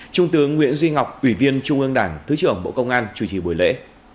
trung tướng nguyễn duy ngọc ủy viên trung ương đảng thứ trưởng bộ công an chủ trì buổi lễ